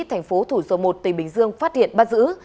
thành phố thủ dầu một tỉnh bình dương phát hiện bắt giữ